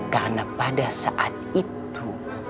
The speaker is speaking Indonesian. karena pada saat itu